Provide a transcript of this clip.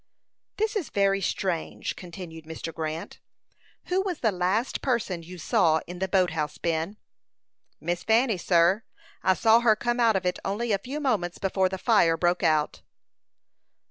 "This is very strange," continued Mr. Grant. "Who was the last person you saw in the boat house, Ben?" "Miss Fanny, sir. I saw her come out of it only a few moments before the fire broke out."